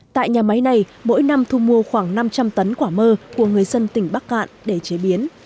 tại nhà máy này mỗi năm thu mua khoảng năm trăm linh tấn quả mơ của người dân tỉnh bắc cạn để chế biến